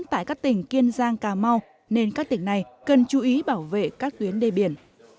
tại các tỉnh kiên giang cà mau nên các tỉnh này cần chú ý bảo vệ các tuyến đê biển